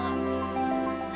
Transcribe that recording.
aku juga mau